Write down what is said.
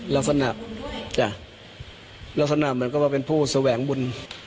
ลักษณะเหมือนก็ว่าเป็นผู้แสวงบุญ